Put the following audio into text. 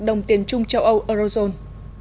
đồng tiền chung châu âu eurozone